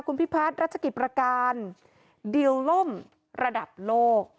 คุณพิพัฒน์รัชกิจประการเดียวล่มระดับโลก